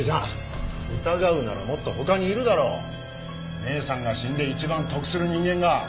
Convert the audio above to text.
姉さんが死んで一番得する人間が。